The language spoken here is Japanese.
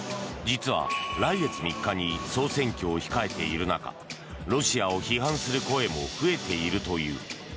実は来月３日に総選挙を控えている中ロシアを批判する声も増えているという。